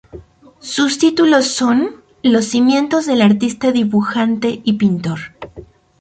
Sus títulos son: "Los cimientos del artista dibujante y pintor.